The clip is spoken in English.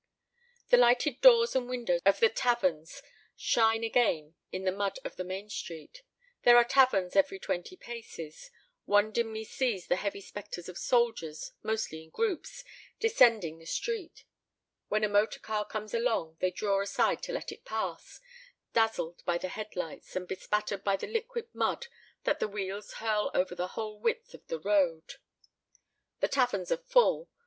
The lighted doors and windows of the taverns shine again in the mud of the main street. There are taverns every twenty paces. One dimly sees the heavy specters of soldiers, mostly in groups, descending the street. When a motor car comes along, they draw aside to let it pass, dazzled by the head lights, and bespattered by the liquid mud that the wheels hurl over the whole width of the road. The taverns are full.